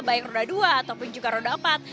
baik roda dua ataupun juga roda empat